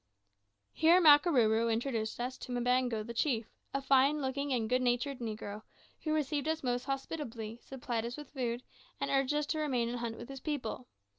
Here Makarooroo introduced us to Mbango the chief, a fine looking and good natured negro, who received us most hospitably, supplied us with food, and urged us to remain and hunt with his people.